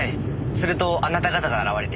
するとあなた方が現れて。